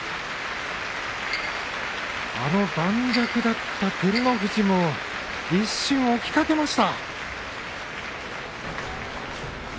あの盤石だった照ノ富士も一瞬起きかけました。